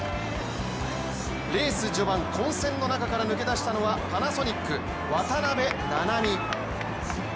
レース序盤、混戦の中から抜け出したのはパナソニック・渡邊菜々美。